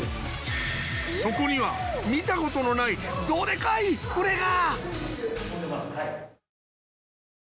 そこには見たことのないどでかい船が！